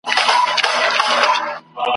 تکرار یې د قلم تقدس ته سپکاوی دی ..